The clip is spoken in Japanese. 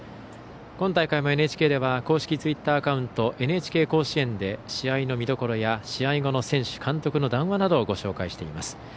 今大会もＮＨＫでは公式ツイッターアカウント「ＮＨＫ甲子園」で試合の見どころや試合後の選手、監督の談話などをご紹介しています。